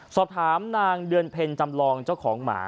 สอบถามนางเดือนเพ็ญจำลองเจ้าของหมา